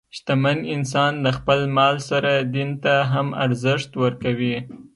شتمن انسان د خپل مال سره دین ته هم ارزښت ورکوي.